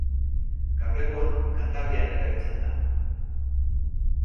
Gaur egun, Kantabrian erabiltzen da.